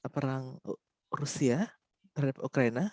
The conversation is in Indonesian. perang rusia terhadap ukraina